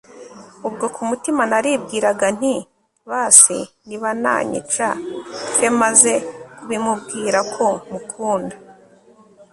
ubwo kumutima naribwiraga nti basi nibananyica mfe maze kubimubwira ko mukunda